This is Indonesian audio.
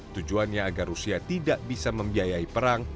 tujuannya agar rusia tidak bisa membiayai perang